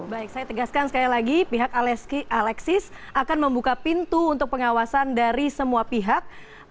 baik saya tegaskan sekali lagi pihak alexis akan membuka pintu untuk pengawasan dari semua pihak